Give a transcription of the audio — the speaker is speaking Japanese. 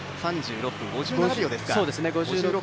３６分５７秒ですか。